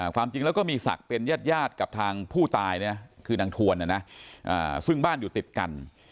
ความจริงแล้วก็มีศักดิ์เป็นญาติกับทางผู้ตายคือนางทวนซึ่งบ้านอยู่ติดกัน